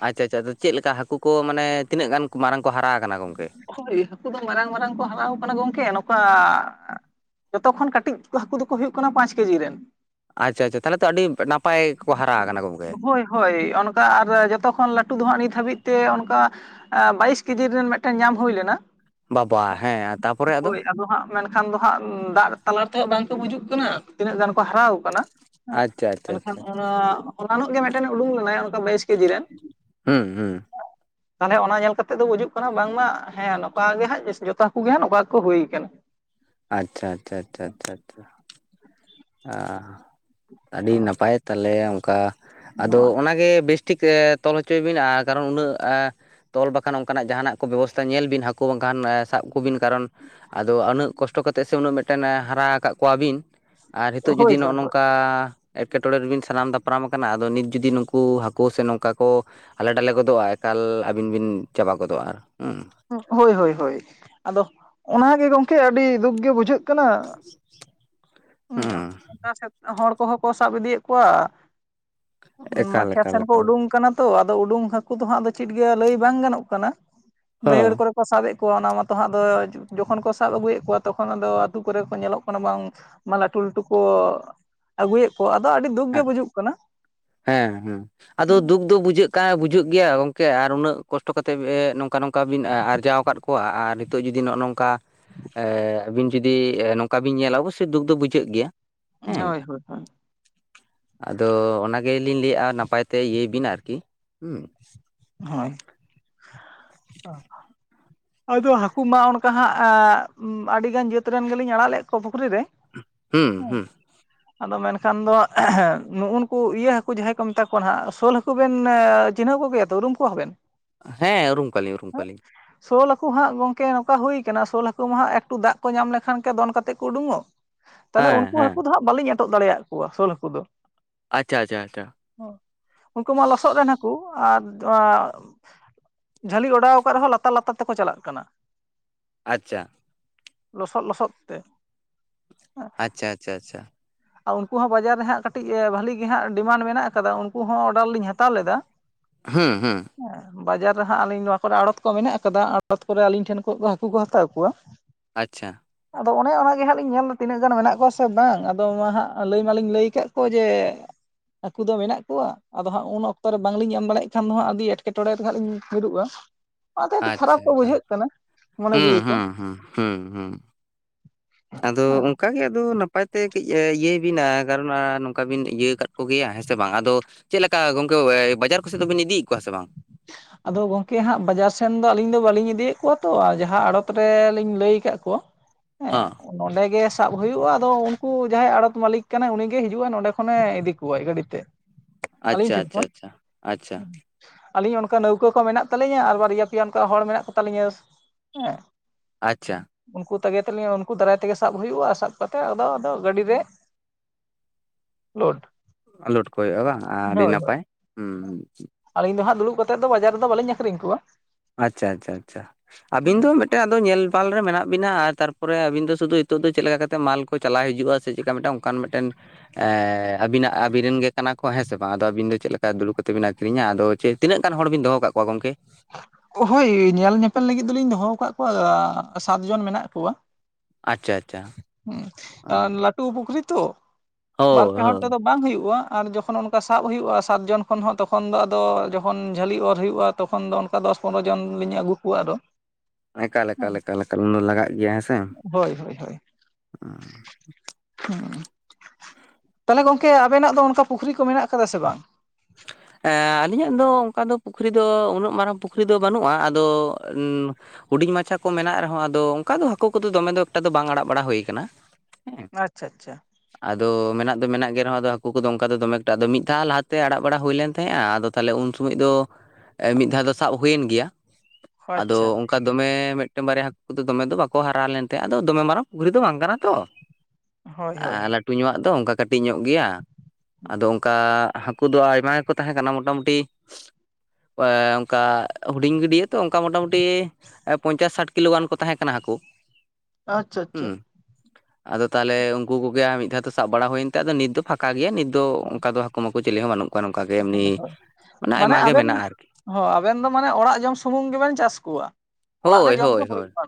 Speaker 2: ᱟᱪᱷᱟ ᱟᱪᱷᱟ ᱪᱮᱫ ᱞᱮᱠᱟ ᱦᱟᱹᱠᱩ ᱠᱚ ᱢᱟᱱᱮ ᱛᱤᱱᱟᱹᱜ ᱜᱟᱱ ᱢᱟᱨᱟᱝ ᱠᱚ ᱦᱟᱨᱟ ᱟᱠᱟᱱᱟ ᱜᱚᱢᱠᱮ?
Speaker 1: ᱦᱳᱭ ᱦᱟᱹᱠᱩ ᱫᱚ ᱢᱟᱨᱟᱝ ᱢᱟᱨᱟᱝ ᱠᱚ ᱦᱟᱨᱟ ᱠᱟᱱᱟ ᱜᱚᱢᱠᱮ ᱱᱚᱝᱠᱟ᱾ ᱡᱚᱛᱚ ᱠᱷᱚᱱ ᱠᱟᱹᱴᱤᱡ ᱦᱟᱹᱠᱩ ᱫᱚᱠᱚ ᱦᱩᱭᱩᱜᱜ ᱠᱟᱱᱟ ᱯᱟᱸᱪ ᱠᱮᱡᱤ ᱨᱮᱱ᱾
Speaker 2: ᱟᱪᱷᱟ ᱟᱪᱷᱟ ᱛᱟᱦᱚᱞᱮ ᱛᱚ ᱟᱹᱰᱤ ᱱᱟᱯᱟᱭ ᱜᱮᱠᱚ ᱦᱟᱨᱟ ᱟᱠᱟᱱᱟ ᱜᱚᱢᱠᱮ᱾
Speaker 1: ᱦᱳᱭ ᱦᱳᱭ ᱚᱱ ᱟᱨ ᱡᱚᱛᱚ ᱠᱷᱚᱱ ᱞᱟᱹᱴᱩ ᱫᱚᱦᱟᱸᱜ ᱱᱤᱛ ᱦᱟᱹᱵᱤᱡ ᱛᱮ ᱚᱱᱠᱟ ᱵᱟᱭᱤᱥ ᱠᱮᱡᱤ ᱨᱮᱱ ᱢᱮ ᱢᱤᱫᱴᱮᱱ ᱧᱟᱢ ᱦᱩᱭ ᱞᱮᱱᱟ᱾
Speaker 2: ᱵᱟᱵᱟ ᱦᱮᱸ ᱛᱟᱯᱚᱨᱮ ᱟᱫᱚ᱾
Speaker 1: ᱦᱳᱭ ᱦᱟᱸᱜ ᱢᱮᱱᱠᱷᱟᱱ ᱫᱚᱦᱟᱸᱜ ᱫᱟᱜ ᱛᱟᱞᱟ ᱛᱮᱦ ᱵᱟᱝᱠᱚ ᱵᱩᱡᱩᱜ ᱠᱟᱱᱟ ᱛᱤᱱᱟᱹᱜ ᱜᱟᱱ ᱠᱚ ᱦᱟᱨᱟ ᱟᱠᱟᱱᱟ᱾
Speaker 2: ᱟᱪᱪᱷᱟ ᱟᱪᱪᱷᱟ
Speaker 1: ᱢᱮᱱᱠᱷᱟᱱ
Speaker 2: ᱟᱪᱪᱷᱟ
Speaker 1: ᱚᱱᱟ ᱦᱳᱞᱟ ᱧᱚᱜ ᱜᱮ ᱢᱤᱫᱴᱮᱱ ᱩᱰᱩᱠ ᱞᱮᱱᱟᱭ ᱚᱱᱠᱟ ᱵᱟᱭᱤᱥ ᱠᱮᱡᱤ ᱨᱮᱱ᱾
Speaker 2: ᱦᱩᱸ ᱦᱩᱸ ᱾
Speaker 1: ᱛᱟᱦᱚᱞᱮ ᱚᱱᱟ ᱧᱮᱞ ᱠᱟᱛᱮ ᱫᱚ ᱵᱩᱡᱩᱜ ᱠᱟᱱᱟ᱾ ᱵᱟᱝᱢᱟ ᱦᱮᱸ ᱱᱚᱝᱠᱟ ᱜᱮ ᱦᱟᱸᱜ ᱡᱚᱛᱚ ᱦᱟᱹᱠᱩ ᱜᱮ ᱦᱟᱸᱜ ᱱᱚᱝᱠᱟ ᱜᱮᱠᱚ ᱦᱩᱭᱠᱟᱱᱟ᱾
Speaker 2: ᱟᱪᱷᱟ ᱟᱪᱷᱟ ᱟᱪᱷᱟ ᱟᱪᱷᱟ᱾ ᱟᱹᱰᱤ ᱱᱟᱯᱟᱭ ᱛᱟᱦᱚᱞᱮ ᱚᱱᱠᱟ ᱟᱫᱚ
Speaker 1: ᱦᱳᱭ
Speaker 2: ᱚᱱᱟᱜᱮ ᱵᱮᱥ ᱴᱷᱤᱠ ᱛᱚᱞᱚ ᱦᱚᱪᱚᱭ ᱵᱤᱱ ᱟᱨ ᱠᱟᱨᱚᱱ ᱩᱱᱟᱹᱜ᱾ ᱛᱚᱞ ᱵᱟᱠᱷᱟᱱ ᱚᱱᱠᱟᱱᱟᱜ ᱡᱟᱦᱟᱱᱟᱜ ᱠᱚ ᱵᱮᱵᱚᱥᱛᱟ ᱧᱮᱞ ᱵᱤᱱ ᱦᱟᱹᱠᱩ ᱵᱟᱝᱠᱷᱟᱱ᱾ ᱥᱟᱵ ᱠᱚᱵᱤᱱ ᱠᱟᱨᱚᱱ ᱟᱫᱚ ᱩᱱᱟᱹᱜ ᱠᱚᱥᱴᱚ ᱠᱟᱛᱮᱫ ᱥᱮ ᱩᱱᱟᱹᱜ ᱢᱤᱫᱴᱮᱱᱮ ᱦᱟᱨᱟ ᱟᱠᱟᱫ ᱵᱤᱱ᱾ ᱟᱨ ᱱᱤᱛᱚᱜ ᱡᱩᱫᱤ
Speaker 1: ᱦᱳᱭ
Speaker 2: ᱱᱚᱜᱼᱚ
Speaker 1: ᱦᱳᱭ
Speaker 2: ᱱᱚᱝᱠᱟ᱾ ᱮᱴᱠᱮᱴᱚᱬᱮ ᱨᱮᱵᱤᱱ ᱥᱟᱱᱟᱢ ᱫᱟᱯᱨᱟᱢ ᱟᱠᱟᱱᱟ ᱟᱫᱚ ᱱᱤᱛ ᱡᱩᱫᱤ ᱱᱩᱠᱩ ᱦᱟᱹᱠᱩ ᱥᱮ ᱱᱚᱝᱠᱟ ᱠᱚ᱾ ᱟᱞᱮ ᱰᱟᱞᱮ ᱜᱚᱫᱚᱜ ᱟ ᱮᱠᱟᱞ ᱟᱹᱵᱤᱱ ᱵᱤᱱ ᱪᱟᱵᱟ ᱜᱚᱫᱚᱜᱼᱟ ᱟᱨ ᱦᱩ᱾
Speaker 1: ᱦᱳᱭ ᱦᱳᱭ ᱦᱳᱭ ᱟᱫᱚ ᱚᱱᱟ ᱜᱮ ᱜᱚᱢᱠᱮ ᱟᱹᱰᱤ ᱫᱩᱠ ᱜᱮ ᱵᱩᱡᱷᱟᱹᱜ ᱠᱟᱱᱟ᱾
Speaker 2: [INAUDIBLE]
Speaker 1: ᱦᱩ ᱟᱠᱟ ᱥᱮᱫ ᱦᱚᱲ ᱠᱚᱦᱚᱸ ᱠᱚ ᱥᱟᱵ ᱤᱫᱤᱭᱮᱫ ᱠᱚᱣᱟ᱾ ᱢᱟ
Speaker 2: ᱮᱠᱟᱞ
Speaker 1: ᱠᱷᱮᱛ
Speaker 2: ᱮᱠᱟᱞ
Speaker 1: ᱥᱮᱱ ᱠᱚ
Speaker 2: ᱮᱠᱟᱞ ᱦᱚᱸ
Speaker 1: ᱩᱰᱩᱝ ᱠᱟᱱᱟ ᱛᱚ, ᱟᱫᱚ ᱩᱰᱩᱝ ᱦᱟᱹᱠᱩ ᱫᱚ ᱦᱟᱸᱜ ᱪᱮᱫ ᱜᱮ ᱞᱟᱹᱭ ᱵᱟᱝ ᱜᱟᱱᱚᱜ ᱠᱟᱱᱟ᱾
Speaker 2: ᱦᱮᱸ
Speaker 1: ᱵᱟᱹᱭᱦᱟᱹᱲ ᱠᱚᱨᱮ ᱠᱚ ᱥᱟᱵᱮᱫ ᱠᱚᱣᱟ, ᱚᱱᱟ ᱢᱟᱛᱚ ᱦᱟᱸᱜ ᱫᱚ ᱡᱚᱠᱷᱚᱱ ᱠᱚ ᱥᱟᱵ ᱟᱹᱜᱩᱭᱮᱫ ᱠᱚᱣᱟ ᱛᱚᱠᱷᱚᱱ ᱟᱫᱚ ᱟᱛᱩ ᱠᱚᱨᱮ ᱠᱚ ᱧᱮᱞᱚᱜ ᱠᱟᱱᱟ ᱵᱟᱝ ᱢᱟ ᱞᱟᱹᱴᱩ ᱞᱟᱹᱴᱩ ᱟᱹᱜᱩᱭᱮᱫ ᱠᱚᱣᱟ, ᱟᱫᱚ ᱟᱹᱰᱤ ᱫᱩᱠ ᱜᱮ ᱵᱩᱡᱩᱜ ᱠᱟᱱᱟ᱾
Speaker 2: ᱦᱮᱸ ᱦᱮᱸ᱾ ᱟᱫᱚ ᱫᱩᱠ ᱫᱚ ᱵᱩᱡᱷᱟᱹᱜ ᱠᱟᱱ ᱵᱩᱡᱷᱟᱹᱜ ᱜᱮᱭᱟ ᱜᱚᱢᱠᱮ ᱟᱨ ᱩᱱᱟᱹᱜ ᱠᱚᱥᱴᱚ ᱠᱟᱛᱮ ᱵᱮ ᱱᱚᱝᱠᱟ ᱱᱚᱝᱠᱟ ᱵᱤᱱ ᱟᱨᱡᱟᱣ ᱟᱠᱟᱫ ᱠᱚᱣᱟ, ᱟᱨ ᱱᱤᱛᱚᱜ ᱡᱩᱫᱤ ᱱᱚᱜᱼᱚ ᱱᱚᱝᱠᱟ ᱮᱸ ᱟᱹᱵᱤᱱ ᱡᱩᱫᱤ ᱱᱚᱝᱠᱟ ᱵᱤᱱ ᱧᱮᱞᱟ ᱚᱵᱚᱥᱥᱳᱭ ᱫᱩᱠ ᱫᱚ ᱵᱩᱡᱷᱟᱹᱜ ᱜᱮᱭᱟ᱾ ᱦᱮᱸ
Speaker 1: ᱦᱳᱭ ᱦᱳᱭ᱾ ᱦᱳᱭ
Speaker 2: ᱟᱫᱚ ᱚᱱᱟ ᱜᱮᱞᱤᱧ ᱞᱟᱹᱭᱮᱜᱼᱟ ᱱᱟᱯᱟᱭ ᱛᱮ ᱤᱭᱟᱹᱭ ᱵᱤᱱ ᱟᱨᱠᱤ, ᱦᱩ᱾
Speaker 1: ᱦᱳᱭ᱾ ᱟᱫᱚ ᱦᱟᱹᱠᱩ ᱢᱟ ᱚᱱᱠᱟ ᱦᱟᱸᱜ ᱮᱸᱻ ᱟᱹᱰᱤ ᱜᱟᱱ ᱡᱟᱹᱛ ᱨᱮᱱ ᱜᱮᱞᱤᱧ ᱟᱲᱟᱜ ᱞᱮᱫ ᱠᱚᱣᱟ ᱯᱩᱠᱷᱨᱤ ᱨᱮ᱾
Speaker 2: ᱦᱩᱸ ᱦᱩᱸ᱾
Speaker 1: ᱟᱫᱚ ᱢᱮᱱᱠᱷᱟᱱ ᱫᱚ ᱱᱩᱜᱼᱩ ᱱᱩᱠᱩ ᱤᱭᱟᱹ ᱦᱟᱹᱠᱩ ᱡᱟᱦᱟᱸᱭ ᱠᱚ ᱢᱮᱛᱟ ᱠᱚᱣᱟ ᱱᱟᱦᱟᱜ ᱥᱳᱞ ᱦᱟᱹᱠᱩ ᱠᱩᱵᱮᱱ ᱪᱤᱱᱦᱟᱹᱣ ᱠᱚᱜᱮᱭᱟ ᱛᱚ ᱩᱨᱩᱢ ᱠᱚᱣᱟᱸᱵᱮᱱ?
Speaker 2: ᱦᱮᱸ ᱩᱨᱩᱢ ᱠᱚᱣᱟᱞᱤᱧ, ᱩᱨᱩᱢ ᱠᱚᱣᱟᱞᱤᱧ᱾
Speaker 1: ᱥᱳᱞ ᱦᱟᱹᱠᱩ ᱦᱟᱸᱜ ᱜᱚᱝᱠᱮ ᱱᱚᱝᱠᱟ ᱦᱩᱭ ᱟᱠᱟᱱᱟ ᱥᱳᱞ ᱦᱟᱹᱠᱩ ᱢᱟ ᱦᱟᱸᱜ ᱮᱠᱴᱩ ᱫᱟᱜ ᱠᱚ ᱧᱟᱢ ᱞᱮᱠᱷᱟᱱ ᱜᱮ ᱫᱚᱱ ᱠᱟᱛᱮ ᱠᱚ ᱩᱰᱩᱧᱚᱜ᱾ ᱛᱟᱦᱚᱞᱮ
Speaker 2: ᱦᱮᱸ
Speaker 1: ᱩᱱᱠᱩ
Speaker 2: ᱦᱮᱸ
Speaker 1: ᱦᱟᱹᱠᱩ ᱫᱚ ᱦᱟᱸᱜ ᱵᱟᱹᱞᱤᱧ ᱟᱴᱚᱜ ᱫᱟᱲᱮᱭᱟᱜ ᱠᱚᱣᱟ ᱥᱳᱞ ᱦᱟᱹᱠᱩ ᱫᱚ᱾
Speaker 2: ᱟᱪᱪᱷᱟ ᱟᱪᱪᱷᱟ ᱟᱪᱪᱷᱟ᱾
Speaker 1: ᱩᱜᱠᱩ ᱢᱟ ᱞᱚᱥᱚᱫ ᱨᱮᱱ ᱦᱟᱠᱩ ᱟᱨ ᱟᱜ ᱡᱷᱟᱹᱞᱤ ᱚᱰᱟᱣ ᱠᱟᱜ ᱨᱮᱦᱚᱸ ᱞᱟᱛᱟᱨ ᱞᱟᱛᱟᱨ ᱛᱮᱠᱚ ᱪᱟᱞᱟᱜ ᱠᱟᱱᱟ᱾
Speaker 2: ᱟᱪᱪᱷᱟ᱾
Speaker 1: ᱞᱚᱥᱚᱫ ᱞᱚᱥᱚᱫ ᱛᱮ᱾
Speaker 2: ᱟᱪᱷᱟ ᱟᱪᱷᱟ ᱟᱪᱷᱟ᱾
Speaker 1: ᱟ‌ ᱩᱱᱠᱩ ᱦᱚᱸ ᱵᱟᱡᱟᱨ ᱨᱮ ᱦᱟᱸᱜ ᱠᱟᱹᱴᱤᱡ ᱵᱷᱟᱞᱤ ᱜᱮ ᱦᱟᱸᱜ ᱰᱤᱢᱟᱱᱰ ᱢᱮᱱᱟᱜ ᱟᱠᱟᱫᱟ ᱩᱱᱠᱩ ᱦᱚᱸ ᱚᱰᱟᱨ ᱞᱤᱧ ᱦᱟᱛᱟᱣ ᱞᱮᱫᱟ᱾
Speaker 2: ᱦᱩᱸ ᱦᱩᱸ᱾
Speaker 1: ᱮᱸ ᱵᱟᱡᱟᱨ ᱨᱮ ᱦᱟᱸᱜ ᱟᱹᱞᱤᱧ ᱱᱚᱣᱟ ᱠᱚᱨᱮ ᱟᱲᱚᱛ ᱠᱚ ᱢᱮᱱᱟᱜ ᱠᱟᱫᱟ ᱟᱲᱚᱛ ᱠᱚᱨᱮ ᱟᱹᱞᱤᱧ ᱴᱷᱮᱱ ᱠᱷᱜ-ᱠᱚ ᱦᱟᱹᱠᱩ ᱠᱚ ᱦᱟᱛᱟᱣ ᱠᱚᱣᱟ᱾
Speaker 2: ᱟᱪᱪᱷᱟ᱾
Speaker 1: ᱟᱫᱚ ᱚᱱᱮ ᱚᱱᱟᱜᱮ ᱦᱟᱸᱜ ᱞᱤᱧ ᱧᱮᱞᱫᱟ ᱛᱤᱱᱟᱹᱜ ᱜᱟᱱ ᱢᱮᱱᱟᱜ ᱠᱚᱣᱟ ᱥᱮ ᱵᱟᱝ᱾ ᱟ ᱫᱚ ᱢᱟ ᱦᱟᱸᱜ ᱞᱟᱹᱭ ᱢᱟᱞᱤᱧ ᱞᱟᱹᱭ ᱟᱠᱟᱫ ᱠᱚᱣᱟ ᱡᱮ ᱦᱟᱹᱡᱩ ᱫᱚ ᱢᱮᱱᱟᱜ ᱠᱚᱣᱟ, ᱟᱫᱚ ᱦᱟᱸᱜ ᱩᱱ ᱚᱠᱛᱚ ᱨᱮ ᱵᱟᱝᱞᱤᱧ ᱮᱢ ᱫᱟᱲᱮᱭᱜ ᱠᱷᱟᱱ ᱦᱚ ᱦᱟᱸᱜ ᱟᱹᱰᱤ ᱮᱸᱴᱠᱮᱴᱚᱬᱮ ᱨᱮ ᱦᱟᱸᱜ ᱞᱤᱧ ᱧᱩᱨᱩᱜᱼᱟ᱾ ᱚᱱᱟᱛᱮ ᱠᱟᱹᱴᱤᱡ ᱠᱷᱟᱨᱟᱯ
Speaker 2: ᱟᱪᱪᱷᱟ
Speaker 1: ᱠᱚ
Speaker 2: ᱮᱠᱟᱞ
Speaker 1: ᱵᱩᱡᱷᱟᱹᱜ ᱠᱟᱱᱟ ᱢᱚᱱᱮ
Speaker 2: ᱦᱩᱸ
Speaker 1: ᱡᱤᱣᱤ ᱠᱚ
Speaker 2: ᱦᱩᱸ ᱦᱩᱸ ᱦᱩᱸ ᱦᱩᱸ᱾ ᱟᱫᱚ
Speaker 1: ᱦᱮᱸ
Speaker 2: ᱚᱝᱠᱟ ᱜᱮ ᱟᱫᱚ ᱱᱟᱯᱟᱭᱛᱮ ᱠᱟᱹᱡ ᱤᱭᱟᱹᱭ ᱵᱤᱱ ᱟ ᱠᱟᱨᱚᱱ ᱟᱻ ᱱᱚᱝᱠᱟ ᱵᱤᱱ ᱤᱭᱟᱹ ᱠᱟᱫ ᱠᱚᱜᱮᱭᱟ ᱦᱮᱸ ᱥᱮ ᱵᱟᱝ? ᱟᱫᱚ ᱪᱮᱫ ᱞᱮᱠᱟ ᱜᱚᱝᱠᱮ ᱵᱟᱡᱟᱨ ᱠᱚᱥᱮᱫ ᱫᱚᱵᱤᱱ ᱤᱫᱤᱭᱮᱫ ᱠᱚᱣᱟ ᱥᱮ ᱵᱟᱝ?
Speaker 1: ᱟᱫᱚ ᱜᱚᱝᱠᱮ ᱦᱟᱸᱜ ᱵᱟᱡᱟᱨ ᱥᱮᱱ ᱫᱚ, ᱟᱞᱤᱧ ᱫᱚ ᱵᱟᱹᱞᱤᱧ ᱤᱫᱤᱭᱮᱫ ᱠᱚᱣᱟ ᱛᱚ, ᱡᱟᱦᱟᱸ ᱟᱲᱚᱛ ᱨᱮᱞᱤᱧ ᱞᱟᱹᱭ ᱟᱠᱟᱫ ᱠᱚᱣᱟ
Speaker 2: ᱦᱟᱸ
Speaker 1: ᱚᱸᱱᱰᱮ ᱜᱮ ᱥᱟᱵ ᱦᱩᱭᱩᱜᱼᱟ, ᱟᱫᱚ ᱩᱱᱠᱩ ᱡᱟᱦᱟᱸᱭ ᱟᱲᱚᱛ ᱢᱟᱞᱤᱠ ᱠᱟᱱᱟᱭ ᱩᱱᱤᱜᱮ ᱦᱤᱡᱩᱜᱼᱟ ᱱᱚᱸᱰᱮ ᱠᱷᱚᱱᱮ ᱤᱫᱤ ᱠᱚᱣᱟᱭ ᱜᱟᱹᱰᱤ ᱛᱮ᱾
Speaker 2: ᱟᱪᱪᱷᱟ ᱟᱪᱪᱷᱟ ᱟᱪᱪᱷᱟ, ᱟᱪᱪᱷᱟ᱾
Speaker 1: ᱟᱹᱞᱤᱧ ᱚᱱᱠᱟ ᱱᱟᱹᱣᱠᱟᱹ ᱠᱚ ᱢᱮᱱᱟᱜ, ᱛᱟᱹᱞᱤᱧᱟ᱾ ᱟᱨ ᱵᱟᱨᱮᱭᱟ ᱯᱮᱭᱟ ᱚᱱᱠᱟ ᱦᱚᱲ ᱢᱮᱱᱟᱜ ᱠᱚᱛᱟᱞᱤᱧᱟᱹ ᱦᱮᱸ᱾
Speaker 2: ᱟᱪᱪᱷᱟ᱾
Speaker 1: ᱩᱱᱠᱩ ᱛᱮᱜᱮ ᱛᱟᱞᱤᱧᱟ ᱩᱱᱠᱩ ᱫᱟᱨᱟᱭ ᱛᱮᱜᱮ ᱥᱟᱵ ᱦᱩᱭᱩᱜᱼᱟ᱾ ᱥᱟᱵ ᱠᱟᱛᱮᱜ ᱟᱫᱚ ᱟᱫᱚ ᱜᱟᱹᱰᱤ ᱨᱮ ᱞᱳᱰ
Speaker 2: ᱞᱳᱰ ᱠᱚ ᱦᱩᱭᱩᱜᱼᱟ᱾ ᱵᱟᱝ ᱟᱹᱰᱤ
Speaker 1: ᱦᱳᱭ ᱦᱳᱭ
Speaker 2: ᱱᱟᱯᱟᱭ ᱦᱩᱸ᱾
Speaker 1: ᱟᱹᱞᱤᱧ ᱫᱚ ᱦᱟᱸᱜ ᱫᱩᱲᱩᱵ ᱠᱟᱛᱮᱫ ᱫᱚ ᱵᱟᱡᱟᱨ ᱨᱮᱫᱚ ᱵᱟᱹᱞᱤᱧ ᱟᱠᱷᱨᱤᱧ ᱠᱚᱣᱟ᱾
Speaker 2: ᱟᱪᱪᱷᱟ ᱟᱪᱪᱷᱟ ᱟᱪᱪᱷᱟ᱾ ᱟᱵᱤᱱ ᱫᱚ ᱢᱮᱴᱮᱱ ᱟᱫᱚ ᱧᱮᱞᱯᱟᱞ ᱨᱮ ᱢᱮᱱᱟᱜ ᱵᱤᱱᱟ, ᱟᱨ ᱛᱟᱨᱯᱚᱨᱮ ᱟᱵᱤᱱ ᱫᱚ ᱥᱩᱫᱷᱩ ᱦᱤᱛᱳᱜ ᱫᱚ ᱪᱮᱫ ᱞᱮᱠᱟ ᱠᱟᱛᱮ ᱢᱟᱞ ᱠᱚ ᱪᱟᱞᱟᱭ ᱦᱤᱡᱩᱜᱼᱟ ᱥᱮ ᱪᱮᱠᱠᱟ ᱢᱤᱴᱟᱝ ᱚᱱᱠᱟᱱ ᱢᱤᱴᱮᱱ ᱮᱸ ᱟᱹᱵᱤᱱᱟᱜ ᱟᱹᱵᱤᱱ ᱨᱮᱱ ᱜᱮ ᱠᱟᱱᱟ ᱠᱚ᱾ ᱦᱮᱸ ᱥᱮ ᱵᱟᱝ ᱟᱫᱚ ᱟᱹᱵᱤᱱ ᱫᱚ ᱪᱮᱫ ᱞᱮᱠᱟ ᱫᱩᱲᱩᱵ ᱠᱟᱛᱮᱫ ᱵᱤᱱ ᱟᱹᱠᱷᱨᱤᱧᱟ ᱟᱫᱚᱼᱼ ᱛᱤᱱᱟᱹᱜ ᱜᱟᱱ ᱦᱚᱲ ᱵᱤᱱ ᱫᱚᱦᱚ ᱟᱠᱟᱫ ᱠᱚᱣᱟ ᱜᱚᱝᱠᱮ?
Speaker 1: ᱦᱳᱭ ᱧᱮᱞ ᱧᱮᱯᱮᱞ ᱞᱟᱹᱜᱤᱫ ᱫᱚᱞᱤᱧ ᱫᱚᱦᱚᱠᱟᱜ ᱠᱚᱣᱟ᱾ ᱥᱟᱛ ᱡᱚᱱ ᱢᱮᱱᱟᱜ ᱠᱚᱣᱟ᱾
Speaker 2: ᱟᱪᱪᱷᱟ ᱟᱪᱪᱷᱟ᱾ ᱚ
Speaker 1: ᱞᱟᱹᱴᱩ ᱯᱩᱠᱷᱨᱤ ᱛᱚ
Speaker 2: ᱦᱳᱭ
Speaker 1: ᱵᱟᱨᱯᱮ ᱦᱚᱲ
Speaker 2: ᱦᱳᱭ
Speaker 1: ᱛᱮᱫᱚ ᱵᱟᱝ ᱦᱩᱭᱩᱜᱼᱟ᱾ ᱟᱨ ᱡᱚᱠᱷᱚᱱ ᱚᱱᱠᱟ ᱥᱟᱵ ᱦᱩᱭᱩᱜᱼᱟ ᱾ᱥᱟᱛ ᱡᱚᱱ ᱠᱷᱚᱱ ᱦᱚᱸ ᱛᱚᱠᱷᱚᱱ ᱫᱚ ᱟᱫᱚ ᱡᱚᱠᱷᱚᱱ ᱡᱷᱟᱹᱞᱤ ᱚᱨ ᱦᱩᱭᱩᱜᱼᱟ᱾ ᱛᱚᱠᱷᱚᱱ ᱫᱚ ᱚᱱᱠᱟ ᱫᱚᱥ ᱯᱚᱱᱨᱚ ᱡᱚᱱ ᱞᱤᱧ ᱟᱹᱜᱩ ᱠᱚᱣᱟ ᱟᱨᱚ
Speaker 2: ᱮᱠᱟᱠᱟ ᱮᱠᱟᱞ ᱮᱠᱟᱞ ᱮᱠᱟᱞ ᱩᱱ ᱫᱚ ᱞᱟᱜᱟᱜ ᱜᱮᱭᱟ ᱦᱮᱸᱥᱮ᱾
Speaker 1: ᱦᱳᱭ ᱦᱳᱭ ᱦᱩᱸ ᱛᱟᱦᱚᱞᱮ ᱜᱚᱝᱠᱮ ᱟᱵᱮᱱᱟᱜ ᱫᱚ, ᱚᱱᱠᱟ ᱯᱩᱠᱷᱨᱤ ᱠᱚ ᱢᱮᱱᱟᱜ ᱠᱟᱫᱟ ᱥᱮ ᱵᱟᱝ?
Speaker 2: ᱟᱹᱞᱤᱧᱟᱜ ᱫᱚ, ᱚᱱᱠᱟ ᱫᱚ ᱯᱩᱠᱷᱨᱤ ᱫᱚ ᱩᱱᱟᱹᱜ ᱢᱟᱨᱟᱝ ᱯᱩᱠᱷᱨᱤ ᱫᱚ ᱵᱟᱹᱱᱩᱜᱼᱟ᱾ ᱟᱫᱚᱼᱼ ᱦᱩᱰᱤᱧ ᱢᱟᱪᱷᱟ ᱠᱚ ᱢᱮᱱᱟᱜ ᱨᱮᱦᱚᱸ ᱟᱫᱚ ᱚᱱᱠᱟ ᱫᱚ ᱦᱟᱹᱠᱩ ᱠᱚᱫᱚ ᱫᱚᱢᱮ ᱫᱚ ᱮᱠᱴᱟ ᱫᱚ ᱵᱟᱝ ᱟᱲᱟᱜ ᱵᱟᱲᱟ ᱦᱩᱭ ᱠᱟᱱᱟ ᱦᱮᱸ᱾
Speaker 1: ᱟᱪᱪᱷᱟ ᱟᱪᱪᱷᱟ᱾
Speaker 2: ᱟᱫᱚ ᱢᱮᱱᱟᱜ ᱫᱚ ᱢᱮᱱᱟᱜ ᱜᱮ ᱨᱮᱦᱚᱸ ᱟᱫᱚ ᱦᱟᱹᱠᱩ ᱠᱚᱫᱚ ᱚᱱᱠᱟ ᱫᱚᱢᱮ ᱮᱠᱴᱟᱫᱚ ᱢᱤᱫ ᱫᱷᱟᱣ ᱞᱟᱦᱟᱛᱮ ᱟᱲᱟᱜ ᱵᱟᱲᱟ ᱦᱩᱭ ᱞᱮᱱᱼᱼ ᱦᱮᱸ ᱟᱫᱚ ᱛᱟᱞᱦᱮ ᱩᱱ ᱥᱚᱢᱚᱭ ᱫᱚ ᱢᱤᱫ ᱫᱷᱟᱣ ᱫᱚ ᱥᱟᱵ ᱦᱳᱭᱮᱱ ᱜᱮᱭᱟ ᱟᱫᱚᱼᱼ
Speaker 1: ᱟᱪᱪᱷᱟ
Speaker 2: ᱚᱱᱠᱟ ᱫᱚᱢᱮ ᱢᱤᱫᱴᱮᱱ ᱵᱟᱨᱭᱟ ᱦᱟᱹᱠᱩ ᱫᱚᱢᱮ ᱫᱚ ᱵᱟᱠᱚ ᱦᱟᱨᱟ ᱞᱮᱱ ᱛᱟᱦᱮᱸᱫ ᱟᱫᱚ ᱫᱚᱢᱮ ᱢᱟᱨᱟᱝ ᱯᱩᱠᱷᱨᱤ ᱫᱚ ᱵᱟᱝ ᱠᱟᱱᱟ ᱛᱚ᱾
Speaker 1: ᱦᱳᱭ
Speaker 2: ᱮᱸ
Speaker 1: ᱦᱳᱭ
Speaker 2: ᱟᱞᱮᱼᱼ
Speaker 1: ᱦᱳᱭ
Speaker 2: ᱞᱟᱴᱩ ᱧᱚᱜᱟᱜ ᱫᱚ ᱚᱱᱠᱟ ᱠᱟᱹᱴᱤᱡ ᱧᱚᱜ ᱜᱮᱭᱟ ᱟᱫᱚ ᱚᱱᱠᱟ ᱦᱟᱹᱠᱩ ᱫᱚ ᱟᱭᱢᱟᱼᱼ ᱠᱚ ᱛᱟᱦᱮᱸ ᱠᱟᱱᱟ ᱢᱚᱴᱟᱢᱩᱴᱤᱼᱼ ᱚᱱᱠᱟ ᱦᱩᱰᱤᱧ ᱜᱟᱹᱰᱤᱭᱟᱹ ᱛᱚ ᱚᱱᱠᱟ ᱢᱚᱴᱟᱢᱩᱴᱤᱼᱼ ᱯᱚᱧᱪᱟᱥ ᱥᱟᱴ ᱠᱤᱞᱳ ᱜᱟᱱ ᱠᱚ ᱛᱟᱦᱮᱸ ᱠᱟᱱᱟ ᱦᱟᱹᱠᱳ᱾
Speaker 1: ᱟᱪᱪᱷᱟ ᱟᱪᱪᱷᱟ᱾
Speaker 2: ᱟᱫᱚ ᱛᱟᱦᱞᱮ ᱩᱱᱠᱩ ᱠᱚᱜᱮ ᱢᱤᱫ ᱫᱷᱟᱣ ᱫᱚ ᱥᱟᱵ ᱵᱟᱲᱟ ᱦᱳᱭᱮᱱ ᱛᱮ ᱟᱫᱚ ᱱᱤᱛ ᱫᱚ ᱯᱷᱟᱸᱠᱟ ᱜᱮᱭᱟ ᱱᱤᱛᱼᱼ ᱛᱚ ᱚᱱᱠᱟ ᱫᱚ ᱦᱟᱹᱠᱳ ᱢᱟᱠᱳ ᱪᱮᱞᱮᱹ ᱦᱚᱸ ᱵᱟᱹᱱᱩᱜ ᱠᱚᱣᱟ ᱱᱚᱝᱠᱟ ᱜᱮ ᱮᱢᱱᱤᱼᱼ
Speaker 1: ᱦᱳᱭ ᱦᱳᱭ ᱢᱟᱱᱮ ᱟᱵᱮᱱ ᱦᱚᱸ ᱟᱵᱮᱱ ᱫᱚ ᱢᱟᱱᱮ ᱚᱲᱟᱜ ᱡᱚᱢ ᱥᱩᱢᱩᱝ ᱜᱮᱵᱮᱱ ᱪᱟᱥ ᱠᱚᱣᱟ᱾ ᱚᱲᱟᱜ ᱨᱮ
Speaker 2: ᱦᱳᱭ
Speaker 1: ᱡᱚᱢ ᱠᱚ
Speaker 2: ᱦᱳᱭ
Speaker 1: ᱦᱩᱭᱩᱜ
Speaker 2: ᱦᱳᱭ
Speaker 1: ᱢᱟ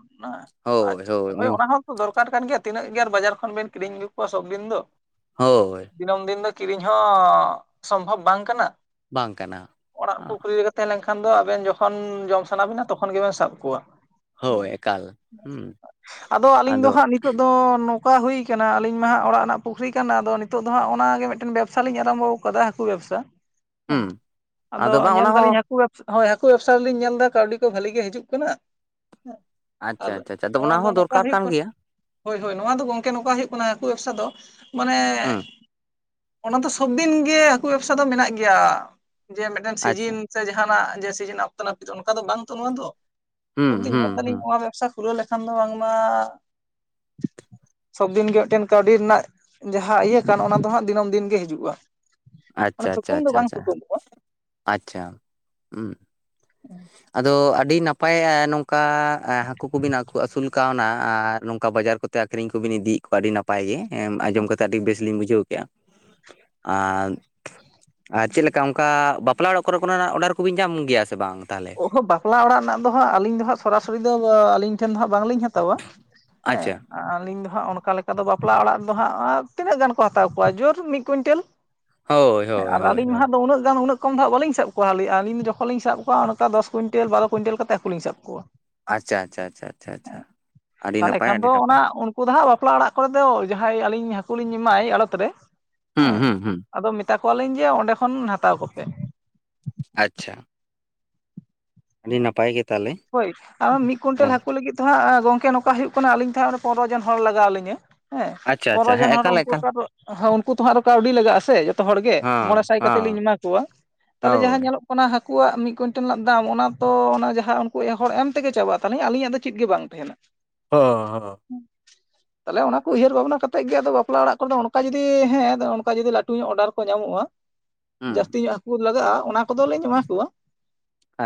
Speaker 1: ᱟᱪᱪᱷᱟ ᱦᱳᱭ ᱚᱱᱟ ᱦᱚᱸᱼᱼ ᱫᱚᱨᱠᱟᱨ ᱠᱟᱱ ᱜᱮᱭᱟ ᱛᱤᱱᱟᱹᱜ ᱜᱮ ᱟᱨ ᱵᱟᱡᱟᱨ ᱠᱷᱚᱱ ᱵᱮᱱ ᱠᱤᱨᱤᱧ ᱟᱹᱜᱩ ᱠᱚᱣᱟ ᱥᱚᱵᱽᱫᱤᱱ ᱫᱚᱼᱼ
Speaker 2: ᱦᱳᱭ᱾
Speaker 1: ᱫᱤᱱᱟᱹᱢ ᱫᱤᱱ ᱫᱚ ᱠᱤᱨᱤᱧ ᱦᱚᱸ ᱥᱚᱢᱵᱷᱚᱵ ᱵᱟᱝ ᱠᱟᱱᱟ
Speaker 2: ᱵᱟᱝ ᱠᱟᱱᱟ
Speaker 1: ᱚᱲᱟᱜ ᱯᱩᱠᱷᱨᱤᱼᱼ ᱛᱟᱦᱮᱸ ᱞᱮᱱᱠᱷᱟᱱ ᱫᱚ ᱟᱵᱮᱱ ᱡᱚᱠᱷᱚᱱ ᱡᱚᱢ ᱥᱟᱱᱟ ᱵᱤᱱᱟ ᱛᱚᱠᱷᱚᱱ ᱜᱮᱵᱮᱱ ᱥᱟᱵ ᱠᱚᱣᱟ᱾
Speaker 2: ᱦᱳᱭ ᱮᱠᱟᱞ ᱦᱩᱸ
Speaker 1: ᱟᱫᱚ ᱟᱹᱞᱤᱧ ᱫᱚ ᱦᱟᱸᱜ ᱱᱤᱛᱼᱼ ᱱᱤᱛᱚᱜ. ᱫᱚ ᱱᱚᱝᱠᱟ ᱦᱩᱭᱠᱟᱱᱟ ᱟᱹᱞᱤᱧ ᱢᱟ ᱦᱟᱸᱜ ᱚᱲᱟᱜ ᱨᱮᱱᱟᱜ ᱯᱩᱠᱷᱨᱤ ᱠᱟᱱᱟ ᱟᱫᱚ ᱱᱤᱛᱚᱜ ᱫᱚ ᱦᱟᱸᱜ ᱚᱱᱟᱜᱮ ᱢᱤᱫᱴᱮᱱ ᱵᱮᱵᱽᱥᱟᱞᱤᱧ ᱟᱨᱟᱢᱵᱚᱼᱼ ᱦᱟᱹᱠᱩ ᱵᱮᱵᱥᱟ ᱦᱮᱸ
Speaker 2: ᱦᱩᱸ
Speaker 1: ᱟᱫᱚ
Speaker 2: ᱵᱟᱝ
Speaker 1: ᱧᱮᱞ
Speaker 2: ᱚᱱᱟ ᱦᱚᱸ
Speaker 1: ᱫᱟᱹᱞᱤᱧ ᱦᱟᱹᱠᱩ ᱵᱮᱵᱥᱟᱼᱼ ᱦᱳᱭ ᱦᱟᱹᱠᱩ ᱵᱮᱵᱥᱟ ᱨᱮᱞᱤᱧ ᱧᱮᱞ ᱫᱟ ᱠᱟᱹᱣᱰᱤ ᱠᱚ ᱵᱷᱟᱹᱞᱤ ᱜᱮ ᱦᱤᱡᱩᱜ ᱠᱟᱱᱟ ᱦᱮᱸᱼᱼ
Speaker 2: ᱟᱪᱪᱷᱟ
Speaker 1: ᱟᱨ
Speaker 2: ᱟᱪᱪᱷᱟ ᱟᱪᱪᱷᱟ ᱟᱫᱚ
Speaker 1: ᱱᱚᱣᱟ
Speaker 2: ᱚᱱᱟ
Speaker 1: ᱫᱚ
Speaker 2: ᱦᱚᱸ
Speaker 1: ᱱᱚᱝᱠᱟ
Speaker 2: ᱫᱚᱨᱠᱟᱨ
Speaker 1: ᱦᱳᱭᱳᱜ
Speaker 2: ᱠᱟᱱ
Speaker 1: ᱠᱟᱱᱟ᱾
Speaker 2: ᱜᱮᱭᱟ
Speaker 1: ᱦᱳᱭ ᱦᱳᱭ ᱱᱚᱣᱟ ᱫᱚ ᱜᱚᱝᱠᱮ ᱱᱚᱝᱠᱟ ᱦᱳᱭᱳᱜ ᱠᱟᱱᱟ ᱦᱟᱹᱠᱩ ᱵᱮᱵᱥᱟ ᱫᱚ ᱢᱟᱱᱮᱼᱼ
Speaker 2: ᱦᱩᱸ
Speaker 1: ᱚᱱᱟ ᱫᱚ ᱥᱚᱵ ᱫᱤᱱ ᱜᱮ ᱦᱟᱹᱠᱩ ᱵᱮᱵᱥᱟ ᱫᱚ ᱢᱮᱱᱟᱜ ᱜᱮᱭᱟ ᱡᱮ ᱢᱤᱫᱴᱮᱱ
Speaker 2: ᱟᱪᱪᱷᱟ
Speaker 1: ᱥᱤᱡᱤᱱᱼᱼ ᱥᱮ ᱡᱟᱦᱟᱱᱟᱜ ᱡᱮ ᱥᱤᱡᱤᱱ ᱟᱯᱛᱚ ᱱᱟᱹᱯᱤᱛᱚᱜ ᱚᱱᱠᱟ ᱫᱚ ᱵᱟᱝ ᱛᱚ ᱱᱚᱣᱟ ᱫᱚ
Speaker 2: ᱦᱩᱸ
Speaker 1: ᱥᱚᱵᱫᱤᱱ
Speaker 2: ᱦᱩᱸ
Speaker 1: ᱧᱮᱞ ᱫᱟᱹᱞᱤᱧ
Speaker 2: ᱦᱩᱸ
Speaker 1: ᱱᱚᱣᱟ ᱵᱮᱵᱥᱟᱼᱼ ᱠᱷᱩᱞᱟᱹᱣ ᱞᱮᱠᱷᱟᱱ ᱫᱚ ᱵᱟᱝᱢᱟᱼᱼ
Speaker 2: [INAUDIBLE]
Speaker 1: ᱥᱚᱵᱽᱫᱤᱱ ᱜᱮ ᱢᱤᱫᱴᱮᱱ ᱠᱟᱹᱣᱰᱤ ᱨᱮᱱᱟᱜ ᱡᱟᱦᱟᱸ ᱤᱭᱟᱹ ᱠᱟᱱ ᱚᱱᱟ ᱫᱚ ᱦᱟᱸᱜ ᱫᱤᱱᱟᱹᱢ ᱫᱤᱱ ᱜᱮ ᱦᱤᱡᱩᱜᱼᱟ᱾ ᱢᱟᱱᱮ
Speaker 2: ᱟᱪᱪᱷᱟ ᱟᱪᱪᱷᱟ
Speaker 1: ᱛᱷᱩᱠᱩᱢ ᱫᱚ
Speaker 2: ᱟᱪᱪᱷᱟ
Speaker 1: ᱵᱟᱝ
Speaker 2: ᱟᱪᱪᱷᱟ
Speaker 1: ᱛᱷᱩᱠᱩᱢᱚᱜᱼᱟ
Speaker 2: ᱟᱪᱪᱷᱟ ᱦᱩᱸ᱾
Speaker 1: ᱦᱩᱸ᱾
Speaker 2: ᱟᱫᱚ ᱟᱹᱰᱤ ᱱᱟᱯᱟᱭ ᱱᱚᱝᱠᱟ ᱦᱟᱹᱠᱩ ᱠᱚᱵᱤᱱ ᱟᱹᱥᱩᱞ ᱠᱟᱣᱱᱟ ᱟᱨ ᱱᱚᱝᱠᱟ ᱵᱟᱡᱟᱨ ᱠᱚᱛᱮᱼᱼ ᱟᱠᱷᱨᱤᱧ ᱠᱚᱵᱤᱱ ᱤᱫᱤᱭᱮᱫ ᱠᱚᱣᱟ ᱟᱹᱰᱤ ᱱᱟᱯᱟᱭ ᱜᱮ ᱦᱮᱸ ᱟᱸᱡᱚᱢ ᱠᱟᱛᱮᱜ ᱟᱹᱰᱤ ᱵᱮᱥᱞᱤᱧ ᱵᱩᱡᱷᱟᱹᱣ ᱠᱮᱜᱼᱟ᱾ ᱟᱨᱼᱼ ᱟᱨ ᱪᱮᱫᱞᱮᱠᱟ ᱚᱱᱠᱟ ᱵᱟᱯᱞᱟ ᱚᱲᱟᱜ ᱠᱚᱨᱮ ᱠᱷᱚᱱᱟᱜ ᱚᱰᱟᱨ ᱠᱚᱵᱤᱱ ᱧᱟᱢ ᱜᱮᱭᱟ ᱥᱮ ᱵᱟᱝ? ᱛᱟᱦᱚᱞᱮ
Speaker 1: ᱚᱦᱚ ᱵᱟᱯᱞᱟ ᱚᱲᱟᱜ ᱨᱮᱱᱟᱜ ᱫᱚ ᱦᱟᱸᱜ ᱟᱹᱞᱤᱧ ᱫᱚ ᱦᱟᱸᱜ ᱥᱚᱨ ᱥᱚᱨᱤ ᱫᱚ ᱟᱹᱞᱤᱧ ᱴᱷᱮᱱ ᱫᱚ ᱦᱟᱸᱜ ᱵᱟᱝᱞᱤᱧ ᱦᱟᱛᱟᱣᱼᱼ ᱦᱟᱛᱟᱣ-ᱟ ᱦᱮᱸ᱾
Speaker 2: ᱟᱪᱪᱷᱟ
Speaker 1: ᱟᱹᱞᱤᱧ ᱫᱚ ᱦᱟᱸᱜ ᱚᱱᱠᱟ ᱞᱮᱠᱟ ᱫᱚ ᱵᱟᱯᱞᱟ ᱚᱲᱟᱜ ᱨᱮ ᱫᱚ ᱦᱟᱸᱜ ᱛᱤᱱᱟᱹᱜ ᱜᱟᱱ ᱠᱚ ᱦᱟᱛᱟᱣ ᱠᱚᱣᱟ ᱡᱳᱨ ᱢᱤᱫ ᱠᱩᱭᱤᱱᱴᱮᱞ᱾
Speaker 2: [INAUDIBLE] ᱦᱳᱭ
Speaker 1: ᱟᱨ
Speaker 2: ᱦᱳᱭ
Speaker 1: ᱟᱹᱞᱤᱧ ᱢᱟ
Speaker 2: ᱦᱳᱭ
Speaker 1: ᱦᱟᱸᱜ ᱫᱚ ᱩᱱᱟᱹᱜ ᱜᱟᱱ ᱩᱱᱟᱹᱜᱼᱼ ᱠᱚᱢ ᱫᱚ ᱦᱟᱜ ᱵᱟᱞᱤᱧ ᱥᱟᱵ ᱠᱚᱣᱟ ᱟᱞᱤ ᱟᱹᱞᱤᱧ ᱫᱚ ᱡᱚᱠᱷᱚᱱᱞᱤᱧ ᱥᱟᱵ ᱠᱚᱣᱟ ᱚᱱᱠᱟ ᱫᱚᱥ ᱠᱩᱭᱮᱱᱴᱮᱞ ᱵᱟᱨᱚ ᱠᱩᱭᱮᱱᱴᱮᱞ ᱠᱟᱛᱮ ᱦᱟᱹᱠᱩᱞᱤᱧ ᱥᱟᱵ ᱠᱚᱣᱟ᱾
Speaker 2: ᱟᱪᱪᱷᱟ ᱟᱪᱪᱷᱟ ᱟᱪᱪᱷᱟ ᱟᱪᱪᱷᱟ ᱟᱪᱪᱷᱟ ᱟᱹᱰᱤ ᱱᱟᱯᱟᱭ ᱟᱹᱰᱤ ᱱᱟᱯᱟᱭ᱾
Speaker 1: ᱦᱟᱹᱠᱩ ᱫᱚ ᱦᱟᱸᱜ ᱵᱟᱯᱞᱟ ᱚᱲᱟᱜ ᱠᱚᱨᱮ ᱫᱚ ᱡᱟᱦᱟᱸᱭ ᱟᱹᱞᱤᱧ ᱦᱟᱹᱠᱩ ᱞᱤᱧ ᱮᱢᱟᱭ ᱟᱲᱚᱛ ᱨᱮ ᱦᱮ
Speaker 2: ᱦᱩᱸ ᱦᱩᱸ ᱦᱩᱸ
Speaker 1: ᱟᱫᱚᱼᱼ ᱢᱮᱛᱟ ᱠᱚᱣᱟᱞᱤᱧ ᱡᱮ ᱚᱱᱰᱮ ᱠᱷᱚᱱ ᱦᱟᱛᱟᱣ ᱠᱚᱯᱮᱼᱼ
Speaker 2: ᱟᱪᱪᱷᱟ᱾ ᱟᱹᱰᱤ ᱱᱟᱯᱟᱭ ᱜᱮ᱾ ᱛᱟᱦᱚᱞᱮ
Speaker 1: ᱦᱳᱭ ᱟᱸᱻ ᱢᱤᱫ ᱠᱩᱭᱮᱱᱴᱮᱞ
Speaker 2: ᱦᱮᱸ
Speaker 1: ᱦᱟᱠᱳ ᱞᱟᱹᱜᱤᱫ ᱛᱚ ᱦᱟᱸᱜ ᱜᱚᱝᱠᱮ ᱱᱚᱝᱠᱟ ᱦᱩᱭᱩᱜ ᱠᱟᱱᱟ ᱟᱹᱞᱤᱧ ᱫᱚᱦᱚ ᱦᱟᱸᱜ ᱯᱚᱱᱨᱚ ᱡᱚᱱ ᱦᱚᱲ ᱞᱟᱜᱟᱣ ᱟᱹᱞᱤᱧᱟ᱾ ᱦᱮᱸ
Speaker 2: ᱟᱪᱪᱷᱟ ᱟᱪᱪᱷᱟ ᱦᱮᱸ
Speaker 1: ᱯᱚᱱᱨᱚᱡᱚᱱ ᱦᱚᱲ
Speaker 2: ᱮᱠᱟᱞ
Speaker 1: ᱩᱱᱠᱩ
Speaker 2: ᱮᱠᱟᱞ
Speaker 1: ᱛᱚ ᱟᱨ ᱦᱚᱸ ᱩᱱᱠᱩ ᱛᱚ ᱦᱟᱸᱜ ᱟᱨᱦᱚ ᱠᱟᱹᱣᱰᱤ ᱞᱟᱜᱟᱜ-ᱟ᱾ ᱥᱮ ᱡᱚᱛᱚ ᱦᱚᱲ ᱜᱮ ᱢᱚᱸᱬᱮ
Speaker 2: ᱦᱚᱸ
Speaker 1: ᱥᱟᱭ ᱠᱟᱛᱮᱫ
Speaker 2: ᱦᱚᱸ
Speaker 1: ᱞᱤᱧ ᱮᱢᱟ ᱠᱚᱣᱟ ᱛᱟᱦᱞᱮ ᱡᱟᱦᱟ
Speaker 2: ᱦᱳᱭ
Speaker 1: ᱧᱮᱞᱚᱜ ᱚᱱᱟ ᱦᱟᱹᱠᱩᱣᱟᱜ ᱢᱤᱫ ᱠᱩᱭᱮᱱᱴᱮᱞ ᱨᱮᱱᱟᱜ ᱫᱟᱢ ᱚᱱᱟ ᱛᱚ ᱚᱱᱟ ᱡᱟᱦᱟ ᱦᱳᱭ ᱮ ᱦᱚᱲ ᱮᱢ ᱛᱮᱜᱮ ᱪᱟᱵᱟᱜ ᱛᱟᱞᱤᱧ ᱟᱹᱞᱤᱧᱟᱜ ᱫᱚ ᱪᱮᱫ ᱜᱮ ᱵᱟᱝ ᱛᱟᱦᱮᱱᱟ᱾
Speaker 2: ᱦᱚᱸ ᱦᱚᱸ᱾
Speaker 1: ᱛᱟᱞᱦᱮ ᱚᱱᱟ ᱠᱚ ᱩᱭᱦᱟᱹᱨ ᱵᱷᱟᱵᱽᱱᱟ ᱠᱟᱛᱮᱜ ᱜᱮ ᱟᱫᱚ ᱵᱟᱯᱞᱟ ᱚᱲᱟᱜ ᱠᱚᱨᱮᱫᱚ ᱚᱱᱠᱟ ᱡᱩᱫᱤ ᱦᱮ ᱚᱱᱠᱟ ᱡᱩᱫᱤ ᱞᱟᱹᱴᱩ ᱧᱚᱜ ᱚᱰᱟᱨ ᱠᱚ ᱧᱟᱢᱚᱜ-ᱟ᱾
Speaker 2: [INAUDIBLE]
Speaker 1: ᱡᱟᱹᱥᱛᱤ ᱧᱚᱜ ᱦᱟᱹᱠᱩ ᱞᱟᱜᱟᱜ-ᱟ ᱚᱱᱟ ᱠᱚᱫᱚ ᱞᱤᱧ ᱮᱢᱟ ᱠᱚᱣᱟ᱾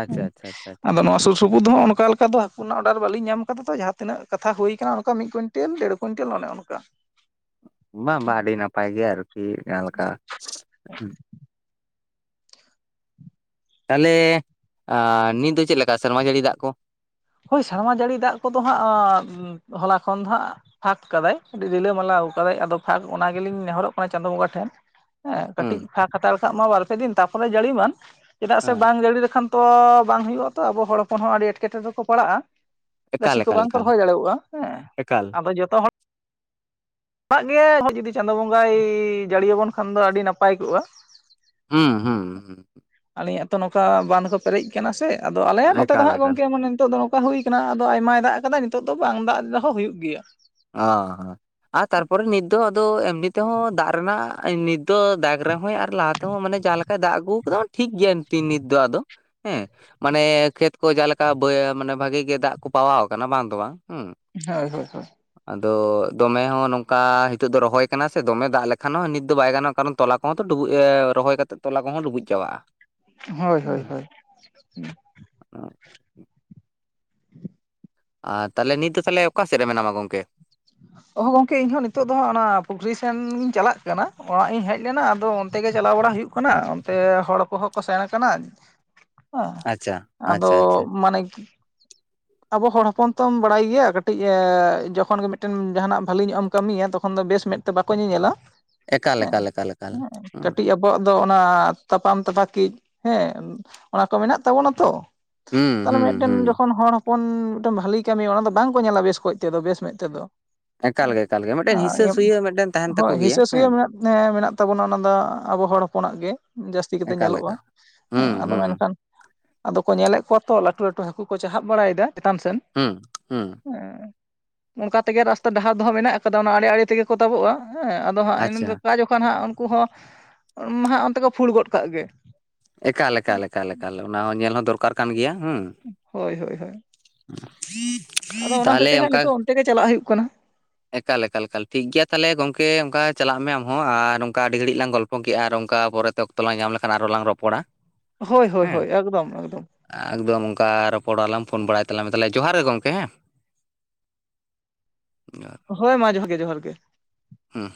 Speaker 2: ᱟᱪᱪᱷᱟ, ᱟᱪᱪᱷᱟ, ᱟᱪᱪᱷᱟ ᱟᱪᱪᱷᱟ᱾
Speaker 1: ᱛᱚᱵᱩ ᱫᱚ ᱚᱱᱠᱟ ᱞᱮᱠᱟ ᱫᱚ ᱦᱟᱹᱠᱩ ᱨᱮᱱᱟᱜ ᱚᱰᱟᱨ ᱵᱟᱞᱤᱧ ᱧᱟᱢ ᱠᱟᱫᱟ ᱛᱚ ᱡᱟᱦᱟ ᱛᱤᱱᱟᱹᱜ ᱠᱟᱛᱷᱟ ᱦᱳᱭ ᱠᱟᱱᱟ ᱚᱱᱠᱟ ᱢᱤᱫ ᱠᱩᱭ ᱴᱮᱞ ᱫᱮᱲ ᱠᱩᱭᱮᱱᱴᱮᱞ ᱚᱱᱮ ᱚᱱᱠᱟ᱾
Speaker 2: ᱵᱟᱝ ᱵᱟᱝ ᱟᱹᱰᱤ ᱱᱟᱯᱟᱭ ᱜᱮ ᱟᱨᱠᱤ ᱡᱟᱦᱟ ᱞᱮᱠᱟ᱾
Speaker 1: [INAUDIBLE]
Speaker 2: ᱛᱟᱞᱦᱮ ᱟᱸᱻ ᱱᱤᱛ ᱫᱚ ᱪᱮᱫ ᱞᱮᱠᱟ ᱥᱮᱨᱢᱟ ᱡᱟᱹᱲᱤ ᱫᱟᱜ ᱠᱚ?
Speaker 1: ᱦᱳᱭ ᱥᱮᱨᱢᱟ ᱡᱟᱹᱲᱤ ᱫᱟᱜ ᱠᱚᱫᱚ ᱦᱟᱸᱜ ᱦᱚᱞᱟ ᱠᱷᱚᱱ ᱫᱚ ᱦᱟᱸᱜ ᱯᱷᱟᱸᱠ ᱠᱟᱫᱟᱭ ᱟᱹᱰᱤ ᱨᱤᱞᱟᱹ ᱢᱟᱞᱟ ᱠᱟᱫᱟᱭ ᱟᱫᱚ ᱯᱷᱟᱸᱠ ᱚᱱᱟ ᱜᱮᱞᱤᱧ ᱱᱮᱦᱚᱨᱚᱜ ᱠᱟᱱᱟ ᱪᱟᱸᱫᱳ ᱵᱚᱸᱜᱟ ᱴᱷᱮᱱ᱾ ᱦᱮ
Speaker 2: ᱦᱩᱸ
Speaker 1: ᱠᱟᱹᱴᱤᱡ ᱯᱷᱟᱸᱠ ᱦᱟᱛᱟᱲ ᱠᱟᱜ ᱢᱟ ᱵᱟᱨ ᱯᱮ ᱫᱤᱱ ᱛᱟᱨᱯᱚᱨᱮ ᱡᱟᱹᱲᱤ ᱢᱟᱱ ᱪᱮᱫᱟᱜ ᱥᱮ
Speaker 2: ᱦᱮᱸ
Speaker 1: ᱵᱟᱝ ᱡᱟᱹᱲᱤ ᱞᱮᱠᱷᱟᱱ ᱛᱚ ᱵᱟᱝ ᱦᱩᱭᱩᱜ-ᱟ ᱛᱚ ᱟᱵᱚ ᱦᱚᱲ ᱦᱚᱯᱚᱱ ᱦᱚ ᱟᱹᱰᱤ ᱮᱴᱠᱮᱴᱚᱸᱬᱮ ᱨᱮᱠᱚ ᱯᱟᱲᱟᱜ-ᱟ᱾
Speaker 2: ᱮᱠᱟᱞ
Speaker 1: ᱜᱟᱹᱪᱷᱤ ᱠᱚ
Speaker 2: ᱮᱠᱟᱞ
Speaker 1: ᱵᱟᱝ ᱠᱚ
Speaker 2: ᱮᱠᱟᱞ
Speaker 1: ᱨᱚᱦᱚᱭ ᱫᱟᱲᱮᱣᱚᱜ-ᱟ ᱦᱮ
Speaker 2: ᱮᱠᱟᱞ
Speaker 1: ᱟᱫᱚ ᱡᱚᱛᱚ ᱦᱚᱲ ᱫᱟᱜ ᱜᱮ ᱡᱩᱫᱤ ᱪᱟᱸᱫᱳ ᱵᱚᱸᱜᱟᱭ ᱡᱟᱹᱲᱤ ᱟᱵᱚᱱ ᱠᱷᱟᱱ ᱫᱚ ᱟᱹᱰᱤ ᱱᱟᱯᱟᱭ ᱠᱚᱜ-ᱟ᱾
Speaker 2: ᱦᱩᱸ ᱦᱩᱸ ᱦᱩᱸ
Speaker 1: ᱟᱹᱞᱤᱧᱟᱜᱛᱚ ᱱᱚᱝᱠᱟ ᱵᱟᱱ ᱠᱚ ᱯᱮᱨᱮᱡ ᱠᱟᱱᱟ ᱥᱮ ᱟᱫᱚ ᱟᱞᱮ ᱱᱚᱛᱮ ᱫᱚ
Speaker 2: ᱮᱠᱟᱞ
Speaker 1: ᱦᱟᱸᱜ
Speaker 2: ᱮᱠᱟᱞ
Speaker 1: ᱜᱚᱝᱠᱮ ᱢᱟᱱᱮ ᱱᱤᱛᱳᱜ ᱫᱚ᱾ ᱚᱱᱠᱟ ᱦᱩᱭ ᱠᱟᱱᱟ ᱟᱫᱚ ᱟᱭᱢᱟᱭ ᱫᱟᱜ ᱠᱟᱫᱟ ᱱᱤᱛᱳᱜ ᱫᱚ ᱵᱟᱝ ᱫᱟᱜ ᱨᱮᱦᱚ ᱦᱩᱭᱩᱜ ᱜᱮᱭᱟ᱾
Speaker 2: ᱚ ᱦᱚᱸ ᱟᱨ ᱛᱟᱨᱯᱚᱨᱮ ᱱᱤᱛ ᱫᱚ ᱟᱫᱚ ᱮᱢᱱᱤ ᱛᱮᱦᱚ ᱫᱟᱜ ᱨᱮᱱᱟᱜ ᱱᱤᱛ ᱛᱚ ᱫᱟᱜ ᱨᱮ ᱦᱚᱸᱭ ᱟᱨ ᱞᱟᱦᱟ ᱛᱮᱦᱚ ᱢᱟᱱᱮ ᱡᱟᱦᱟ ᱞᱮᱠᱟᱭ ᱫᱟᱜ ᱟᱹᱜᱩ ᱠᱟᱫᱟ ᱴᱷᱤᱠ ᱜᱮᱭᱟ ᱛᱤ ᱱᱤᱛ ᱫᱚ ᱟᱫᱚ᱾ ᱦᱮ ᱢᱟᱱᱮ ᱠᱷᱮᱛ ᱠᱚ ᱡᱟ ᱞᱮᱠᱟ ᱵᱟᱭ ᱢᱟᱱᱮ ᱵᱷᱟᱜᱮ ᱜᱮ ᱫᱟᱜ ᱠᱚ ᱯᱟᱣᱟ ᱠᱟᱱᱟ ᱵᱟᱝ ᱫᱚ ᱵᱟᱝ ᱦᱩᱸ᱾
Speaker 1: ᱦᱳᱭ, ᱦᱳᱭ, ᱦᱳᱭ᱾
Speaker 2: ᱟᱫᱚ ᱫᱚᱢᱮ ᱦᱚᱸ ᱱᱚᱝᱠᱟ ᱦᱤᱛᱳᱜ ᱫᱚ ᱨᱚᱦᱚᱭ ᱠᱟᱱᱟ ᱥᱮ ᱫᱚᱢᱮ ᱫᱟᱜ ᱞᱮᱠᱷᱟᱱ ᱦᱚ ᱱᱤᱛ ᱫᱚ ᱵᱟᱭ ᱜᱟᱱᱚᱜ-ᱟ ᱠᱟᱨᱚᱱ ᱛᱚᱞᱟ ᱦᱚᱸ ᱛᱚ ᱰᱩᱵᱩᱡ ᱮ ᱨᱚᱦᱚᱭ ᱠᱟᱛᱮᱜ ᱛᱚᱞᱟ ᱠᱚᱦᱚ ᱰᱩᱵᱩᱡ ᱪᱟᱵᱟᱜ-ᱟ᱾
Speaker 1: ᱦᱳᱭ, ᱦᱳᱭ, ᱦᱳᱭ᱾
Speaker 2: [UNINTELLIGIBLE] ᱟᱨ ᱛᱟᱞᱦᱮ ᱱᱤᱛ ᱫᱚ ᱛᱟᱞᱦᱮ ᱚᱠᱟ ᱥᱮᱫ ᱨᱮ ᱢᱮᱱᱟᱢᱟ ᱜᱚᱝᱠᱮ? [INAUDIBLE]
Speaker 1: ᱚᱦ ᱜᱚᱝᱠᱮ ᱤᱧᱦᱚᱸ ᱱᱤᱛᱚᱜ ᱫᱚ ᱦᱟᱸᱜ ᱚᱱᱟ ᱯᱩᱠᱷᱨᱤ ᱥᱮᱱ ᱜᱤᱧ ᱪᱟᱞᱟᱜ ᱠᱟᱱᱟ᱾ᱚᱲᱟᱜ ᱤᱧ ᱦᱮᱡ ᱞᱮᱱᱟ ᱟᱫᱚ ᱚᱱᱛᱮ ᱜᱮ ᱪᱟᱞᱟᱣ ᱵᱟᱲᱟ ᱦᱩᱭᱩᱜ ᱠᱟᱱᱟ ᱚᱱᱛᱮ ᱦᱚᱲ ᱠᱚᱦᱚ ᱠᱚ ᱥᱮᱱ ᱠᱟᱱᱟ᱾
Speaker 2: ᱟᱪᱪᱷᱟ,
Speaker 1: ᱟᱫᱚ
Speaker 2: ᱟᱪᱪᱷᱟ, ᱟᱪᱪᱷᱟᱺ
Speaker 1: ᱢᱟᱱᱮ ᱟᱵᱚ ᱦᱚᱲ ᱦᱚᱯᱚᱱ ᱛᱚᱢ ᱵᱟᱲᱟᱭ ᱜᱮᱭᱟ ᱠᱟᱹᱴᱤᱡ ᱮ ᱡᱚᱠᱷᱚᱱ ᱜᱮ ᱢᱤᱫᱴᱮᱱ ᱡᱟᱦᱟᱱᱟᱜ ᱵᱷᱟᱞᱮ ᱧᱚᱜ ᱮᱢ ᱠᱟᱹᱢᱤᱭᱟ᱾ᱛᱚᱠᱷᱚᱱ ᱫᱚ ᱵᱮᱥ ᱢᱮᱫ ᱛᱮ ᱵᱟᱠᱚ ᱧᱮᱧᱮᱞᱟ
Speaker 2: ᱮᱠᱟᱞ
Speaker 1: ᱦᱮᱸ
Speaker 2: ᱮᱠᱟᱞ ᱮᱠᱟᱞ ᱮᱠᱟᱞ
Speaker 1: ᱦᱮᱸ
Speaker 2: ᱦᱩᱸ
Speaker 1: ᱠᱟᱹᱴᱤᱡ ᱮᱸᱻ ᱟᱵᱚᱣᱟᱜ ᱫᱚ ᱚᱱᱟ ᱛᱟᱯᱟᱢ ᱛᱟᱯᱟᱠᱤᱡ ᱦᱮᱸ ᱚᱱᱟ ᱠᱚ ᱢᱮᱱᱟᱜ ᱛᱟᱵᱚᱱᱟ ᱛᱚ᱾
Speaker 2: ᱦᱩᱸ
Speaker 1: ᱛᱟᱞᱦᱮ
Speaker 2: ᱦᱩᱸ
Speaker 1: ᱢᱤᱫᱴᱮᱱ
Speaker 2: ᱦᱩᱸ
Speaker 1: ᱡᱚᱠᱷᱚᱱ ᱦᱚᱲ ᱯᱷᱳᱱ ᱢᱤᱫᱴᱮᱱ ᱵᱷᱟᱞᱤ ᱠᱟᱹᱢᱤᱭᱟᱭ ᱚᱱᱟ ᱫᱚ ᱵᱟᱝᱠᱚ ᱧᱮᱞᱟ ᱵᱮᱥ ᱠᱚᱡ ᱛᱮᱫᱚ ᱵᱮᱥ ᱢᱮᱫ ᱛᱮᱫᱚ᱾
Speaker 2: ᱮᱠᱟᱞ
Speaker 1: ᱦᱮᱸ
Speaker 2: ᱜᱮ ᱮᱠᱟᱞ ᱜᱮ ᱢᱤᱫᱴᱮᱱ ᱦᱤᱥᱟᱹ ᱥᱩᱭᱟᱹ ᱢᱤᱫᱴᱮᱱ ᱛᱟᱦᱮᱱ
Speaker 1: [UNINTELLIGIBLE] ᱦᱳᱭ
Speaker 2: ᱛᱟᱠᱚ
Speaker 1: ᱦᱸᱤᱥᱟᱹ
Speaker 2: ᱜᱮᱭᱟ
Speaker 1: ᱥᱤᱭᱟᱹ
Speaker 2: ᱦᱮᱸ
Speaker 1: ᱢᱮᱱᱟᱜ ᱮᱸ ᱢᱮᱱᱟᱜ ᱛᱟᱵᱚᱱᱟ ᱚᱱᱟ ᱫᱚ ᱟᱵᱚ ᱦᱚᱲ ᱦᱚᱯᱚᱱᱟᱜ ᱜᱮ ᱡᱟᱹᱥᱛᱤ ᱠᱟᱛᱮᱜ
Speaker 2: ᱮᱠᱟᱞ
Speaker 1: ᱧᱮᱞᱚᱜᱼᱟ
Speaker 2: ᱮᱠᱟᱞ
Speaker 1: ᱦᱮᱸ
Speaker 2: ᱦᱩᱸ
Speaker 1: ᱟᱫᱚ
Speaker 2: ᱦᱩᱸ
Speaker 1: ᱢᱮᱱᱠᱷᱟᱱ᱾ ᱟᱫᱚ ᱠᱚ ᱧᱮᱞᱮᱫ ᱠᱚᱣᱟ ᱛᱚ ᱞᱟᱹᱴᱩ ᱞᱟᱹᱴᱩ ᱦᱟᱹᱠᱩ ᱠᱚ ᱪᱟᱦᱟᱜ ᱵᱟᱲᱟᱭᱮᱫᱟ ᱪᱮᱛᱟᱱ ᱥᱮᱱ᱾
Speaker 2: ᱦᱩᱸ ᱦᱩᱸ᱾
Speaker 1: ᱦᱮᱸ ᱚᱱᱠᱟ ᱛᱮᱜᱮ ᱨᱟᱥᱛᱟ ᱰᱟᱦᱟᱨ ᱫᱚ ᱦᱟᱸᱜ ᱢᱮᱱᱟᱜ ᱠᱟᱫᱟ ᱚᱱᱟ ᱟᱲᱮ ᱟᱲᱮ ᱛᱮᱜᱮ ᱠᱚ ᱛᱟᱵᱚᱜᱼᱟ ᱦᱮᱸ᱾ ᱟᱫᱚ ᱦᱟᱸᱜ ᱤᱱᱟᱹ ᱫᱚ
Speaker 2: ᱟᱪᱪᱷᱟ
Speaker 1: ᱚᱠᱟ ᱡᱚᱠᱷᱚᱱ ᱦᱟᱸᱜ ᱩᱱᱠᱩ ᱦᱚᱸ ᱩᱱᱦᱟᱸᱜ ᱚᱱᱛᱮ ᱠᱚ ᱯᱷᱩᱲ ᱜᱚᱫ ᱠᱟᱜ ᱜᱮ᱾
Speaker 2: ᱮᱠᱟᱞ ᱮᱠᱟᱞ ᱮᱠᱟᱞ ᱮᱠᱟᱞ ᱚᱱᱟ ᱦᱚᱸ ᱧᱮᱞ ᱦᱚᱸ ᱫᱚᱨᱠᱟᱨ ᱠᱟᱱ ᱜᱮᱭᱟ ᱦᱩᱸ᱾
Speaker 1: ᱦᱳᱭ ᱦᱳᱭ ᱦᱳᱭ᱾ ᱟᱫᱚ ᱚᱱᱟ ᱦᱚᱛᱮᱡ
Speaker 2: ᱛᱟᱦᱚᱞᱮ
Speaker 1: ᱦᱟᱸᱜ
Speaker 2: ᱚᱱᱠᱟ
Speaker 1: ᱱᱤᱛᱚᱜ ᱚᱱᱛᱮ ᱛᱮᱜᱮ ᱪᱟᱞᱟᱜ ᱦᱩᱭᱩᱜ ᱠᱟᱱᱟ᱾
Speaker 2: ᱮᱠᱟᱞ ᱮᱠᱟᱞ ᱮᱠᱟᱞ ᱴᱷᱤᱠ ᱜᱮᱭᱟ ᱛᱟᱦᱚᱞᱮ ᱜᱚᱝᱠᱮ ᱚᱱᱠᱟ ᱪᱟᱞᱟᱜ ᱢᱮ ᱟᱢ ᱦᱚᱸ ᱟᱨ ᱚᱱᱠᱟ ᱟᱹᱰᱤ ᱜᱷᱟᱹᱲᱤᱡ ᱞᱟᱝ ᱜᱚᱞᱯᱷᱚ ᱠᱮᱜᱼᱟ ᱟᱨ ᱚᱱᱠᱟ ᱯᱚᱨᱮ ᱛᱚ ᱚᱠᱛᱚ ᱞᱟᱝ ᱧᱟᱢ ᱞᱮᱠᱷᱟᱱ ᱟᱨ ᱦᱚᱸ ᱞᱟᱝ ᱨᱚᱯᱚᱲᱟ᱾
Speaker 1: ᱦᱳᱭ ᱦᱳᱭ
Speaker 2: ᱦᱮᱸ
Speaker 1: ᱦᱳᱭ ᱮᱠᱫᱚᱢ ᱮᱠᱫᱚᱢ᱾
Speaker 2: ᱮᱠᱫᱚᱢ ᱚᱱᱠᱟ ᱨᱚᱯᱚᱲᱟᱞᱟᱝ ᱯᱷᱳᱱ ᱵᱟᱲᱟᱭ ᱛᱟᱞᱟᱝ ᱢᱮ ᱛᱟᱦᱚᱞᱮ ᱡᱚᱦᱟᱨ ᱜᱮ ᱜᱚᱢᱠᱮ ᱦᱮᱸ᱾ [UNINTELLIGIBLE]
Speaker 1: ᱦᱳᱭ ᱢᱟ ᱡᱚᱦᱟᱨ ᱜᱮ ᱡᱚᱦᱟᱨ ᱜᱮ᱾
Speaker 2: ᱦᱩᱸ᱾